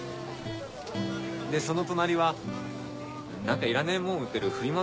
でその隣は何かいらねえもん売ってるフリマ